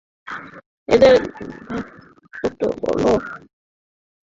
এদের গাত্রবর্ণ সচরাচর কালো অথবা নীলচে কালো।